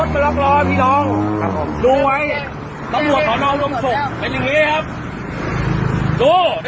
เป็นอย่างงี้ครับ